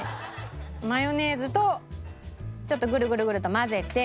マヨネーズとちょっとグルグルグルと混ぜて。